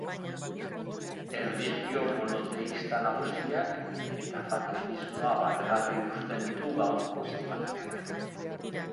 Erlijio monoteista nagusiak eta fanatismoa barregarri uzten ditu gaurko zenbakiak.